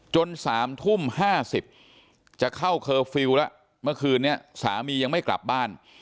๓ทุ่ม๕๐จะเข้าเคอร์ฟิลล์แล้วเมื่อคืนนี้สามียังไม่กลับบ้าน